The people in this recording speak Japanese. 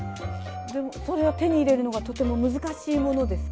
それは手に入れるのがとても難しいものですか？